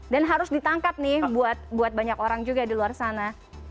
dan harus ditangkap nih buat buat banyak orang juga di luar sana